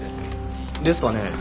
ですかねえ。